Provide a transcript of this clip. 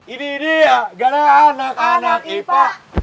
ini dia gara ganak anak ipa